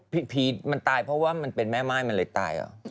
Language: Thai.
ผีมันตายเพราะว่ามันเป็นแม่ม่ายมันเลยตายเหรอ